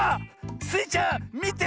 スイちゃんみて！